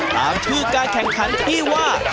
ตามชื่อการแข่งขันที่ว่า